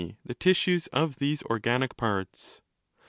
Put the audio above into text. the tissues of these organic parts).